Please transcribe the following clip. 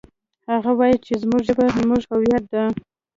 هغه وایي چې زموږ ژبه زموږ هویت ده